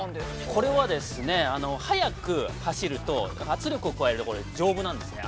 ◆これはですね、速く走ると圧力を加えると丈夫なんですよね。